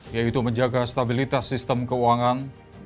yaitu menjaga stabilitas sistem keuangan